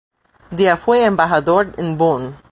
De a fue embajador en Bonn.